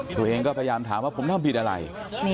ตัวเองก็พยายามถามว่าผมทำผิดอะไร